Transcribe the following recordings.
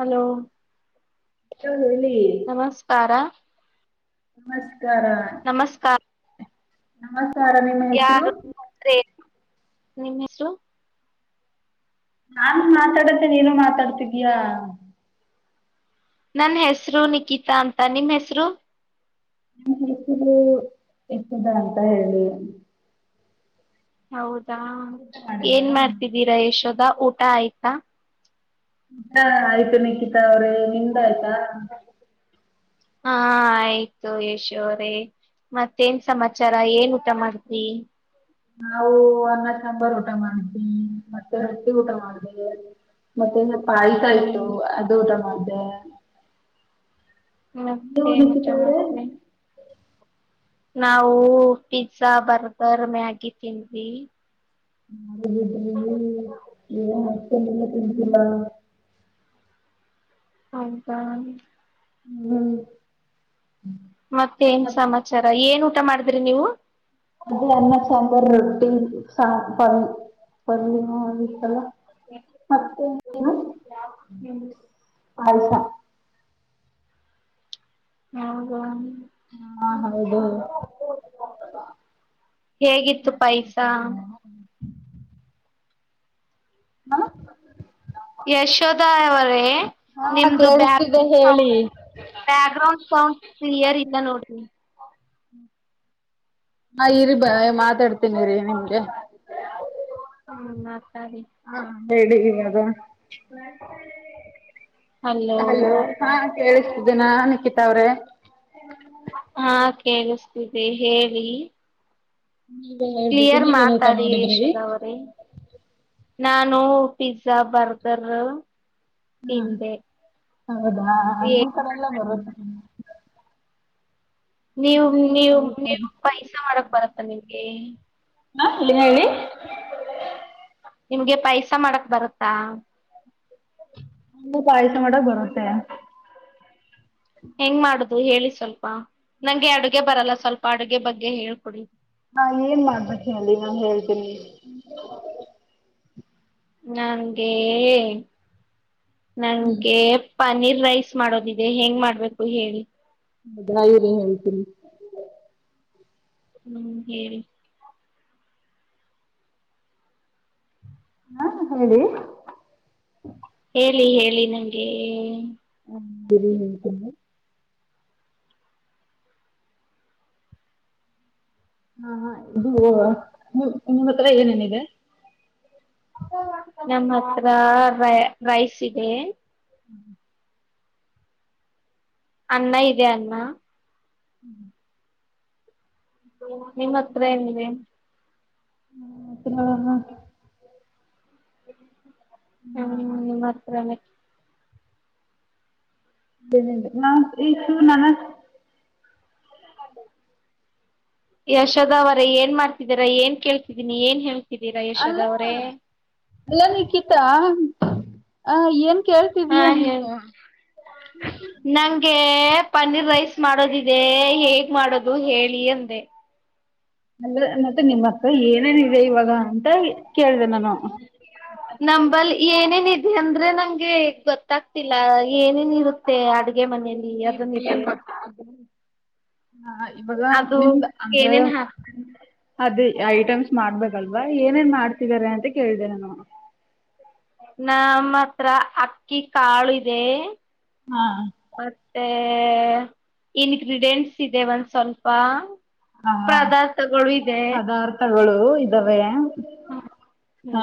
Hello ಹೇಳಿ ನಮಸ್ಕಾರ ನಮಸ್ ನಮಸ್ಕಾರ ನಮಸ್ ಯಾರು ರೆ ನಿಮ್ಮ ಹೆಸರು ನಾನು ಮಾತಾಡುತ್ತ ನೀನು ಮಾತಾಡತಿಕಿಯಾ ನನ್ ಹೆಸರು ನಿಕಿತಾ ಅಂತ ನಿಮ ಹೆಸರು ನ ಹೆ ಇಷ್ಟದ ಅಂತ ಹೇಳಿ ಹೌದು ಊಟ ಏನ್ ಮಾಡಿದ್ರಾ? ಮಾಡ್ತಿದ್ದೀರಾ ಯಶೋದಾ ಊ ಟಾ ಐತಾ ಆಯ್ತು ನಿಖಿತಾ ಅವರು ನಿಂದ ಆಯ್ತು ಹಾ ಹಾ ಆಯ್ತು ಯಶೋ್ರೇ ಮತ್ತೇನ್ ಸಮಾಚಾರ ಏನ್ ಊಟ ಮಾಡತ್ಿ ನಾವು ಅನ್ನ ಸಾಂಬಾರ್ು ಊಟ ಮಾಡ್ದ ಮತ್ತೆ ರೊಟ್ಟಿ ಊಟ ಮಾಡ್ದೇ ಮತ್ತೆ ಹ್ಮ್ ಪಾಯ್ತಾಯ್ತು ಅದು ಊಟ ಮಾಡ ಅ ಹ್ಮ ಸೇ ಮ ಮಾಡತ ನಾವು ಪಿಜಜಾ ಬರ್ಗರ್ ಮ್ಯಾಗಿ ತಿನ್್ವಿ ಮ ಬಿದ್ರ ನೀನ್ ಅಷ್ಟಲ್ಲ ತಿಂತಲ್ಲ ಹ್ಮ್ ಹೌದಾ ಹ್ಮ್ ಹ್ಮ್ ಮತ್ತೆ ಏನ್ ಮತ್ತೆ ಸಮಾಚಾರ ಏನು ಊಟ ಮಾಡಿದ್ರಿ ನೀವು ಅದು ಅನ್ನ ಸಾಂಬಾರ ರೊಟ್ಟಿ ಸಾ ಪಲ್ಯ ಹ ಅದು ಇತ್ತಲ್ಲ ಮತ್ತೆ ಇನೇನ ಹ್ಮ್ ಪಾಯಸ ಹೌದ ಹಾ ಹೌದು ಹೇಗಿತ್ತು ಪಾಯಸ ಮಾಡತಿದ್ದ ಹಾ ಯಶೋದಾ ಅವರೇ ಹಾ ನಿಮ್ದು ಬ್ಯಾಕ್ ಕೇಳಿಸ್ತಿದೆ ಹೇಳಿ ಬ್ಯಾಕ್ ಗ್ರೌಂಡ್ ಸೌಂಡ್ ಕ್ಲಿಯರ್ ಇಲ್ಲ ನೋಡ್ರಿ ಹಾ ಇರಿ ಬ ಮಾತಾಡ್ತೇನಿ ಇರಿ ನಿಮಗೆ ಹ್ಮ ಸರಿ ಹೇಳಿದೀನ ಅದ ಹಲೋ ಹಾ ಕೇಳಿಸ್ತಿದ್ದೀನ ನಿಖಿತಾ ಅವ್ರೆ ಹಾ ಕೇಳಿಸ್ತಿ ಹೇಳಿ ನೀವೇ ಹೇಳ್ಬೇಕು ಕ್ಲಿಯರ್ ನೀವೇನ್ ಊಟ ಮಾತಾಡಿ ಮಾಡಿದ್ರಿ ಯಶೋದ ಅವರೇ ನಾನು ಪಿಜಜಾ ಬರ್ಗರ್ ಹ್ಮ ತಿಂದೆ ಹೌದ ನಿಮ್ ಕಡೆ ಎಲ್ಲ ಬರುತ್ತೆ ನೀವು ನೀವು ಬರುತ್ತೆ ನೀವು ಪಾಯಸ ಮಾಡಕ್ ಬರತ್ತ ನಿಮ್ಗೆ [inaudible] ನಿಮ್ಗೆ ಪಾಯಸ ಮಾಡಕ್ ಬರುತ್ತಾ ನ ಪಾಯಸ ಮಾಡಕ್ ಬರುತ್ತೆ ಹೆಂಗ್ ಮಾಡುದು ಅದು ಹೇಳಿ ಸ್ವಲ್ಪ ನಂಗೆ ಅಡುಗೆ ಬರಲ್ಲ ಸ್ವಲ್ಪ ಅಡುಗೆ ಬಗ್ಗೆ ಹೇಳ್ಕೊಡಿ ಹಾ ಏನ್ ಮಾಡ್ಬೇಕ ಹೇಳಿ ನಾನ್ ಹೇಳ್ತೇನಿ ನಂಗೇ ನಂಗೆ ಪನೀರ್ ರೈಸ್ ಮಾಡೋದಿದೆ ಹೆಂಗ್ ಮಾಡ್ಬೇಕು ಹೇಳಿ ಹದಾಗಿರೀ ಹೇಳತಿ ಹ್ಮ್ ಹೇಳಿ ಹಾ ಹೇಳಿ ಹೇಳಿ ಹೇಳಿ ನಂಗೆ [inaudible] ಹಾ ಇದು ನಿಮ್ಮ ಹತ್ರ ಏನೇನಿದೆ ನಮ್ಮ ಹತ್ರ ರೈಸ್ ಇದೆ ಹ್ಮ್ ಅನ್ನ ಇದೆ ಅ್ಣ ಹ್ಮ್ ನಿಮ್ಮ್ ಹತ್ರ ಏನಿದೆ ಹ್ಮ ಮತ್ತಿನಳ [unintelligible] ಹ್ಮ ನಿಮ್ಮ್ತ್ರಾನೇ ರೆ ನಾ ಈ ಶೂ ನನ ಯಶೋದ ಅವರ ಏನ್ ಮಾಡ್ತಿದರಾ ಏನ್ ಕೇಳ್ತಿದೀನಿ ಏನ್ ಹೇಳ್ತ ಇದ್ದೀರಾ ಅಲ್ಲ ಯಶೋದವರೇ? ಅಲ್ಲ ನಿಖಿತಾ ಆ ಏನ್ ಹಾ ಕೇಳ್ತಿದೀಯ ಹೇಳಿ ನೀನು? ನಂಗೆ ಪನ್ನೀರ್ ರೈಸ್ ಮಾಡೋದ ದೇ ಹೇಗ್ ಮಾಡೋದು ಹೇಳಿ ಅಂದೆ ಅಲ್ಲ ಮತ್ತೆ, ನಿಮ್ಮ ಹತ್ರ ಏನೇನಿದೆ ಇವಾಗ ಅಂತ ಕೇಳಿದೆ ನಾನು. ನಂಬಲ್ಲಿ ಏನೇನ್ ಇದೆ ಅಂದ್ರೆ ನಂಗೆ ಗೊತ್ತಾಗ್ತಿಲ್ಲ ಏನೇನ್ ಇರುತ್ತೆ ಅಡು ಡುಗೆ ಮನೆಯಲ್ಲಿ ಅದನ್ ಇದೆ ಏನ್ ಗೊತ್ತಾ? ಹಾ ಇವಾಗ ನಿಮ್ದ ಅಂದ್ರೆ ಏನೇನ್ ಹಾಕ್ತಾರೆ ಅದೇ ಐಟಮ್ಸ್ ಮಾಡ್ಬೇಕಲ್ವಾ, ಏನೇನ್ ಮಾಡ್ತಿದಿದ್ದಾರೆ ಅಂತ ಕೇಳ್ದೇ ನಾನು. ನಮ್ಮ ಹತ್ರ ಅಕ್ಕಿ ಕಾಳು ಇದೆ ಹಾ ಮತ್ತೆ ಇನ್ಗ್ರಿಡಿಯೆಂಟ್ಸ್ ಇದೆ ಒಂದ್ ಸ್ವಲ್ಪ ಪದಾರ್ಥಗಳು ಇದೆ ಗಳು ಇದ್ದಾವೆ. ಹ್ಮ ಹ್ಮ.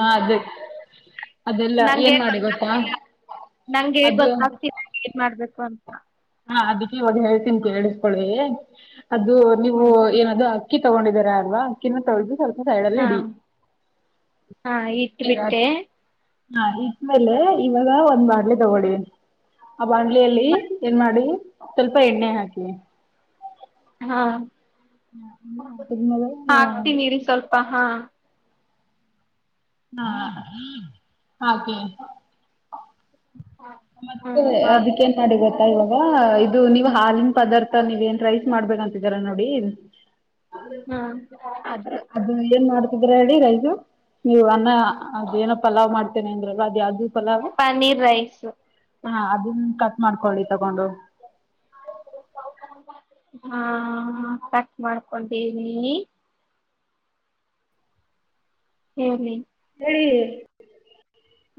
ಅದೆಲ್ಲ ಏನ್ ನಂಗೆ ಮಾಡಿ ಗೊತ್ತಾ ಗೊತ್ತಾಗ್ತಿಲ್ಲ. ನಂಗೆ ಅದು ಗೊತ್ತಾಗ್ತಿಲ್ಲ ಏನ್ ಮಾಡ್ಬೇಕು ಅಂತ ಹಾ ಅದಕ್ಕೆ ಇವಾಗ ಹೇಳ್ತಿನ್ ಕೇಳಿಸ್ಕೊಳ್ಳಿ ಅದು ನೀವು ಹ್ಮ್ ಏನದು ಅಕ್ಕಿ ತಗೊಂಡಿದಾರ ಅಲ್ವಾ, ಅಕ್ಕಿನ ತೋಳ್ದು ಸ್ವಲ್ಪ ಸೈಡಲ್ಲಿ ಹಾ ಇಡಿ ಹಾ ಇಟ್ಟ ಬಿಟ್ಟೆ ಹಾ ಇಟ್ಟ್ಮೇಲೆ ಇವಾಗ ಒಂದ್ ಬಾಣ್ಲಿ ತಗೊಳ್ಳಿ, ಆ ಬಾಣ್ಲಿಯಲ್ಲಿ ಏನ್ ಮಾಡಿ, ಸ್ವಲ್ಪ ಎಣ್ಣೆ ಹಾಕಿ. ಹಾ ಹಾ ತಿರುಮಲ ಹಾಕ್ತೀನಿ ಇರಿ ಸ್ವಲ್ಪ ಹಾ ಹಾ ಹಾಕಿ. ಮತ್ತೆ ಹ್ಮ್ ಹಾಕ್ರಿ ಅದಕ್ಕೇನ್ ಮಾಡಿ ಗೊತ್ತಾ ಇವಾಗ್ ಈಗ ನೀವ್ ಹಾಲಿನ ಪದಾರ್ಥ, ನೀವೇನ್ ರೈಸ್ ಮಾಡ್ಬೇಕಂತಿದೀರ ನೋಡಿ ಹ್ಮ ಏನ್ ಮಾಡ್ತಿದ್ರ ಹೇಳಿ ರೈಸ, ನೀವು ಅನ್ನ ಅದ ಏನ ಪಲಾವ್ ಮಾಡ್ತೇನೆ ಅಂದ್ರಲ್ಲ ಯಾವ್ದ? ಪನ್ನೀರ್ ರೈಸ್. ಹಾ ಅದನ್ ಕಟ್ ಮಾಡ್ಕೊಳ್ಳಿ ತಗೊಂಡು ಹಾ ಕಟ್ ಮಾಡ್ಕೊಂಡೇನಿ. ಹೇಳಿ ರೀ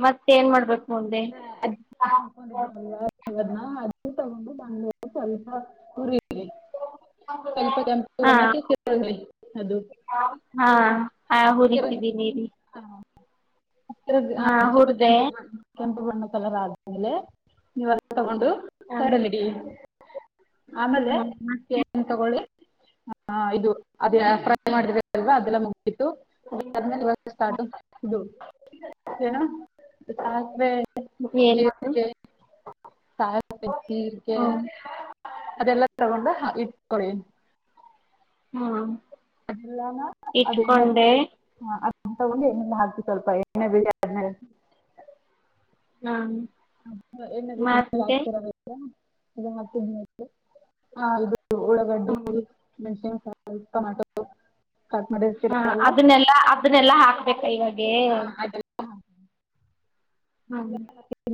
ಮತ್ತೆ ಏನ್ ಮಾಡ್ಬೇಕು? ಮುಂದೆ ಹ [unintelligible] [inaudible] ತಗೊಂಡು ಬಂದ ಸ್ವಲ್ಪರಿ ಸ್ವಲ್ಪ ಹಾ ಕೆಂಪುಣಕಿ ಅದು [inaudible] ಹಾ ಹುರಿತಿದ್ದೀನೀ ರಿ ಕೆಂಪ ಕೆಂಪ ಬಣ್ಣ [unintelligible] ತಣ್ಣಗಾದ ಮೇಲೆ ನೀವೆಲ್ಲ ತಗೊಂಡು ಹ ಎಡ ನಿಡಿ ಆಮೇಲೆ ಹ್ಮ ಏನ್ ತಗೊಳ್ಳಿ ಹ ಇದು ಅದೇ ಫ್ರೈ ಮಾಡ ಅಲ್ವಾ ಅದೆಲ್ಲ ಮುಗಿಸಿ ಇತ್ತು ದಿವ ಸ್ಟಾರ್ಟ ಇದು ನಾ ಸಾಸಿವೆ ಎಲ್ಲ ಜೀರಿಗೆ ಸಾಸಿವೆ ಜೀರಿಗೆ ಅದೆಲ್ಲ ತಗೊಂಡ ಇಟ್ಕೊಳಿ ಹ್ಮ್ ಅದೆಲ್ಲ ಅದ ಇಟ್ಕೊಂಡೆ ಅ ತಗೊಂಡಿ ಎಣ್ಣೆಲಿ ಹಾಕ್ಬಿಟ್ಟು ಸ್ವಲ್ಪ ಎಣ್ಣ ಬಿಟ್ ಆದ್ಮೇಲೆ ಹಾ ಅ ಏನ ತುಂಬ ಹಾಕ್ತೀರಾ ಅದಕ್ಕೆ ಅದು ಮತ್ತ ಹ ಉಳ್ಳಾಗಡ್ಡಿ ಹ್ಮ ಮೆಣಸಿನಕಾಯಿ ಟೊಮೆಟೊ ಕಟ್ ಮಾಡಿರ್ತೀರ ಹಾ ಅಲ್ವಾ ಅದನ್ನೆಲ್ಲಾ ಅದನ್ನೆಲ್ಲಾ ಹಾಕ್ ಕೈಗ ದೇ ಆ,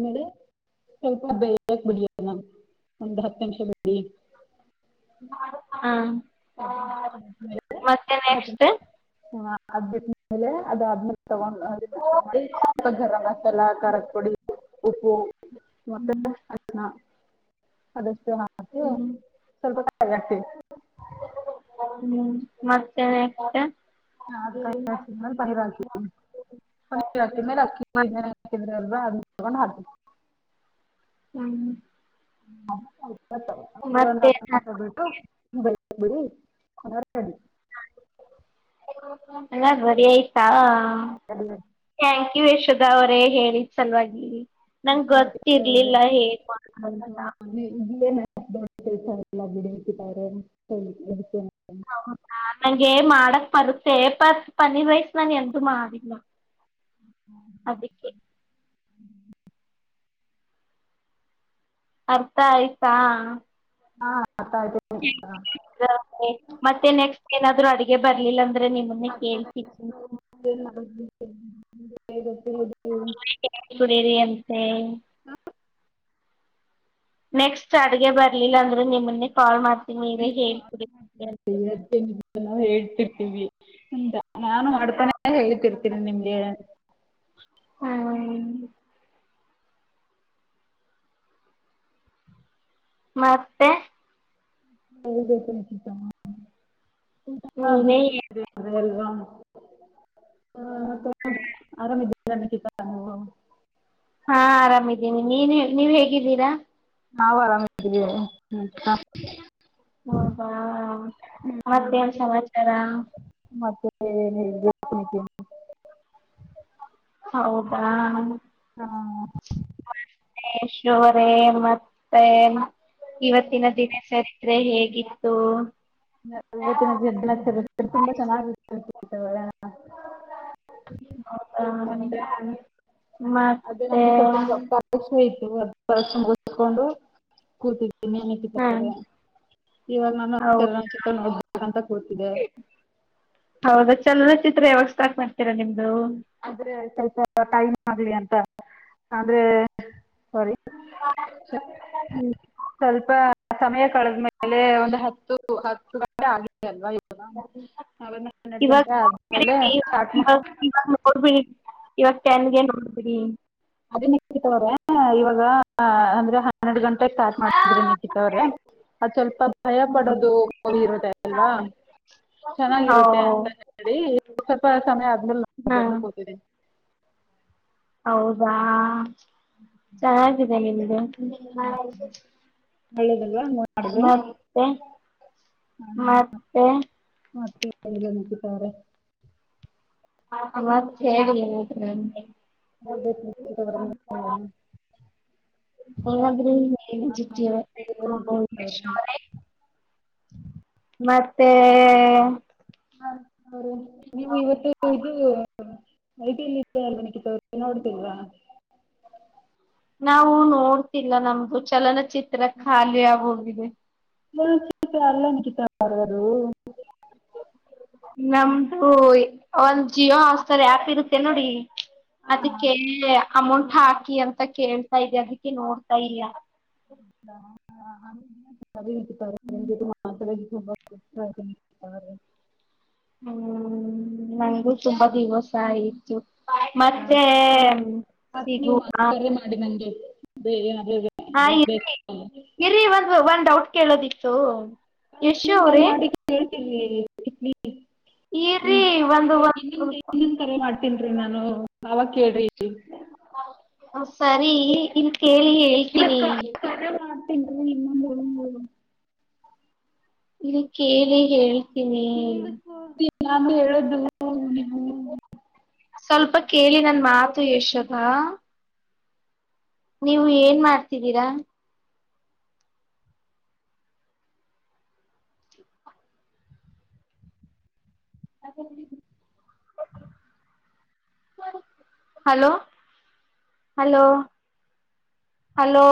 ಮೇಲೆ ಸ್ವಲ್ಪ ಬೇಯಕ್ ಬಿಡಿ ಅದನ್ನ ಒಂದ್ ಹತ್ತು ನಿಮಿಷ ಬಿಟ್ ಬಿಡಿ. ಹಾಂ ಮತ್ತೆ [unintelligible] ಅದ್ ನೆಕ್ಸ್ಟ್ ಬಿಟ್ಮೇಲೆ ಅದಾದ್ಮೇ ತಗೊಂಡು ಅದನ್ನ ಗರಂ ಮಸಾಲ ಖಾರಕ್ ಪುಡಿ ಉಪ್ಪು ಮತ್ತೆ ಹ್ಞೂ ಅರಿಶಿಣ ಅದಷ್ಟು ಹ ಹ್ಞೂ [unintelligible] ಸ್ವಲ್ಪ [unintelligible] ಹ್ಮ್ ಮತ್ತೆ ಊಟ? [unintelligible] ಹಾಕಿದ್ಮೇಲ್ ಪನ್ನಿರ ಹಾಕಿ ಪನ್ನೀರ್ ಹಾಕಿದ್ ಮೇಲೆ ಅಕ್ಕಿ ನೆನೆ ಹಾಕಿದ್ರಲ ಅದನ್ ತಗೊಂಡ್ ಹಾಕ್ ಹ್ಮ್ [unintelligible] ಹೌ ಮತ್ತ ಅದುನ್ನೊಂದ್ ಹತ್ ನಿಮ್ಷ ಬಿಟ್ಟು ಹ ಬಡಿ ಹ [unintelligible] ಅಲ್ಲ ಬರಿ ಆ [unintelligible] [inaudible] ಯಶೋಧ ಅವ್ರೇ ಹೇಳಿ ಸಲ್ವಾಗಿ ನಂಗ ಗೊತ್ತಿರ್ಲಿಲ್ಲ ಹೇಗ್ ಮಾಡ ದಂತ [inaudible] [unintelligible] ಹ ನಂಗೆ ಮಾಡಕ್ ಬರ್ ತ್ತೆ ಬಸ್ ಪನ್ನೀರ್ ರೈಸ್ ನಾನು ಎಂದು ಮಾಡಿಲ್ಲ. ಅದಿಕ್ಕೆ ಅರ್ಥ ಆಯ್ತಾ ಹಾ ಹ ಮತ್ತೆ ನೆಕ್ಸ್ಟ್ ಏನಾದ್ರು [inaudible] ಗೆ ಬರ್ಲಿಲ್ಲ ದ್ರೆ ನಿಮ್ಮನ್ನೆ ಕೇಳ್ತಿದಿ ಏನ್ ಮಾಡೋದು ಬೇಗ ಬೇಗ [inaudible] ಬೇರೆ ಅಂತೆ ನೆಕ್ಸ್ಟ್ ಅಡ್ಗೆ ಬರ್ಲಿಲ್ಲ ಅಂದ್ರೆ ನಿಮ್ಮುನ್ನೆ ಕಾಲ್ ಮಾಡ್ ಅಯ್ಯೋ [unintelligible] ನ ಹೇಳ್ [inaudible] ಇರ್ತೀವಿ ಅಂದ ನಾನು ಮಾಡ್ತಾನೆ ಹೇಳ್ತಿರ್ [unintelligible] ತಿರ ನಿಮ್ಗೆ ಹಾ ಮತ್ತೆ ಹೇಳ್ಬೇಕು ನಿಚಿತ ಊ [unintelligible] ನೀವೇ ಅಲ್ವ [unintelligible] ಆರಾಮ ಅ [inaudible] ಹಾ ಆರಾಮಿದ್ದೀನಿ ನೀನು ನೀವ್ ಹೇಗಿದ್ದೀರಾ? ನಾವು ಆರಾಮಿದೀವಿ [inaudible] ತ ಹೌದ ಮತ್ತೇನ್ ಸಮಾಚಾರ ಹ [inaudible] [unintelligible] ಹೌದಾ ಹ ಶವ್ರೆ ಮತ್ತೆ ಮ ಇವತ್ತಿನ ದಿನ ಚರಿತ್ರೆ ಹೇ ಯಾತೋ. ಇವತ್ತಿನ [unintelligible] ತುಂಬಾ ಚೆನ್ನಗಿತ್ತು. [unintelligible] ಹೌದಾ ಮತ್ತೆ ಅದೇ ಮತ್ತೆ ನಮ್ಗು ಸ್ವಲ್ಪ ಸ್ವಪ್ಪ [unintelligible] ತ್ [unintelligible] ಕೊಂಡು ಕೂತಿ ಇನ್ಮ್ಯಾಲ್ ಇಟ್ಟಿದ್ದ ಹಾ ಪೊರೆ. ಇವಾಗ್ ನಾನು ಹೌ ಚಲನಚಿತ್ರ ನೋಡ್ಬೇಕಂತ ಕೂತ್ತಿದೆ. ಹೌದಾ ಚಲನಚಿತ್ರ ಯಾವಾಗ್ ಸ್ಟಾರ್ಟ್ ಮಾಡ್ತೀರಾ ನಿಮ್ದು. ಆದ್ರೆ ಸ್ವಲ್ಪ ಟೈಮ್ ಆಗ್ಲಿ ಅಂತ ಅಂದ್ರೆ ಸೊರಿ. ಸ್ವಪ್ ಹ್ಮ್. ಸ್ವಲ್ಪ ಸಮಯ ಕಳೆದ್ಮೇಲೆ ಒಂದು ಹತ್ತು ಹತ್ತು ಗಂಟೆ ಆಗಿತ್ ಎಲ್ವ ಇ [unintelligible] ಹನ್ನೆರ್ಡ್ ಇವಾಗ ಗಂಟೆ ಆದ್ಮೇಲೆ ಸ್ಟಾರ್ಟ್ ಮಾಡ್ ಕೊಡ್ಬಿಡಿ ಇವ್ತ್ ತೆನ್ಗೆ ನೋಡ್ಬಿಡಿ. ಅದೇ [unintelligible] ಇವಾಗ ಅಂದ್ರೆ ಹನ್ನೆರ್ಡ್ ಗಂಟ್ ಕ್ಟ್ ಸ್ಟಾರ್ಟ್ ಮಾಡ್ತಿದ್ರೆ ನಿಖಿತವ್ರೆ ಅದ್ ಸ್ವಲ್ಪ ಭಯ ಹ್ಮ್. ಪಡೋದು ಹೋಗಿ ಇರುತ್ತೆ ಅಲ್ವಾ ಹೌ ಚೆನ್ನಾಗಿರುತ್ತೆ ಅಂತ ಹೇಳಿ ಸ್ವಲ್ಪ ಸಮಯ ಆದ್ಮೇಲೆ [unintelligible] ಹಾ ಬಂದು ಕೂತಿದೀನಿ. ಹೌದಾ ಚೆನ್ನಾಗಿದ್ದೇ ನಿಮ್ [inaudible] ಹ ಒಳ್ಳೇದಲ್ವಾ [unintelligible] ಮಾಡಿದ್ರೆ ಮತ್ತೆ ಹ ಮತ್ತೆ ಮ [unintelligible] ಮತ್ತ್ ಹೇಳಿ ಏನಾದ್ರು ಅಂದೆ ಹೇಳ್ಬೇಕು ನಿಖಿತ್ ಅವರೇ. ಏನಾದ್ರು ಹೇಳಿ ಸರಿ, ಹೇಳಿ ನಿಖಿತ್ ಅವರೇ. [unintelligible] [inaudible] ಮತ್ತೆ ಹಾ ಅವ್ರೆ ನೀವು ಇವತ್ತು ಇದು ಐ ಟಿ ಲ್ಲಿ ಇತ್ತು ಆಲ್ವಾ ನಿಕಿತಾ ಅವ್ರೆ ನೋಡ್ತಿಲ್ವಾ? ನಾವು ನೋಡ್ತಿಲ್ಲ ನಮ್ದು ಚಲನಚಿತ್ರ ಖಾಲಿ ಆಗೋಗಿದೆ ಫುಲ್ಲ್ [unintelligible] ಅಲ್ಲ ನಿಕಿತ ಅವ್ರೆ ಅದು. ನಮ್ದು ಒಂದ್ ಜಿಯೋ ಹಾಟ್ ಸ್ಟಾರ್ ಆಪ್ ಇರುತ್ತೆ ನೋಡಿ ಅದಿಕ್ಕೆಲ್ಲಿ ಅಮೌಂಟ್ ಹಾಕಿ ಅಂತ ಕೇಳ್ತಾ ಇದೆ ಅದಿಕ್ಕೆ ನೋಡ್ತಾ ಇಲ್ಲ. ಹೌದಾ ಆ ಹ [unintelligible] ನಿಮ್ಗಿದು ಮಾತಾಡ [unintelligible] [inaudible] ಹ್ಮ್ ನಂಗಗು ತುಂಬಾ ದಿವಸ ಆಯಿತು ಮತ್ತೆ ಮತ್ತೆ ನೀವು ಸಿಗುವ ಮತ್ತೆ ಕರೆ ಮಾಡಿ ನನಗೆ ಬೇರೆ ಏನಾದರೂ ಹಾ ಬೇಕು ಇರಿ ಇರ್ರಿ ಒಂದು ಒನ್ ಡೌಟ್ ಕೇಳೋದಿತ್ತು ಯಶು ಅವ್ರೀ ಇ ಇ [unintelligible] ಇರ್ರಿ ಒಂದು ಇನ್ನ ಇನ್ನನ್ ಕರೆ ಮಾಡ್ತೀನ್ ರೀ ಒಂದ್ ನಾನು ನಾವ ಕೇಳ್ರಿ ಸರಿ ಇ [unintelligible] ಕೇಳಿ ಹೇಳ್ತೀನಿ ಇನ್ನಂದ ಮಾಡ ಇಲ್ಲಿ ಕೇಳಿ ಹೇಳಿ ಈ ಕೇಳಿಸ್ಕೊಳ್ತೀನಿ ನಾನು ಹೇಳ್ದು ನೀವು ಸ್ವಲ್ಪ ಕೇಳಿ ನ ಮಾತು ಯಷದಾ ನೀವು ಏನ್ ಮಾಡ್ತಿದ್ದೀರಾ hello hello hello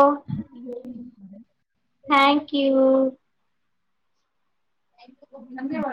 thank you ಹ ನನ್ ನೇವ್